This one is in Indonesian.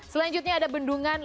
selanjutnya ada bendungan jawa